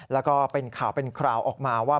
แล้วก็เป็นข่าวเป็นคราวออกมาว่า